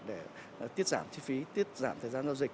để tiết giảm chi phí tiết giảm thời gian giao dịch